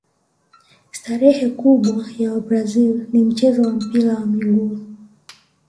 starehe kubwa ya wabrazil ni mchezo wa mpira wa miguu